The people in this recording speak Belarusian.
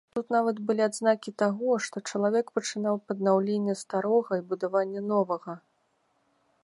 Тут нават былі адзнакі таго, што чалавек пачынаў паднаўленне старога і будаванне новага.